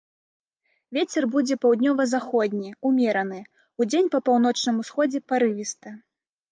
Вецер будзе паўднёва-заходні, умераны, удзень па паўночным усходзе парывісты.